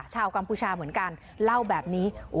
กัมพูชาเหมือนกันเล่าแบบนี้